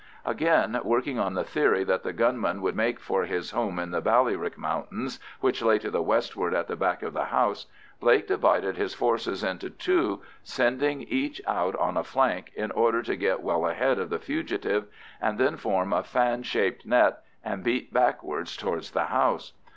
Again working on the theory that the gunman would make for his home in the Ballyrick mountains, which lay to the westward at the back of the house, Blake divided his forces into two, sending each out on a flank in order to get well ahead of the fugitive, and then form a fan shaped net and beat backwards towards the house.